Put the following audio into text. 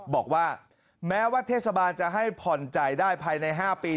บอกว่าแม้ว่าเทศบาลจะให้ผ่อนจ่ายได้ภายใน๕ปี